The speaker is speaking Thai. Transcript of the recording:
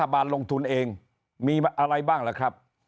บานลงทุนเองมีอะไรบ้างล่ะครับ